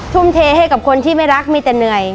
ทุ่มเทให้กับคนที่ไม่รักมีแต่เหนื่อย